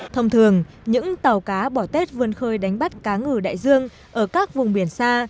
thông thường những tàu cá bỏ tết vươn khơi đánh bắt cá ngừ đại dương ở các vùng biển xa